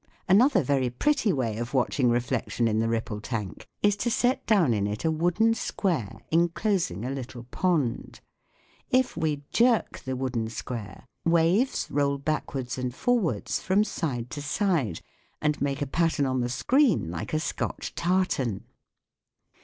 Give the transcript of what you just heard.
Another very pretty way of watching reflection in the ripple tank is to set down in it a wooden square, enclosing a little pond. If we jerk the wooden square, waves roll backwards and forwards from side to side and make a pattern on the screen like a Scotch tartan.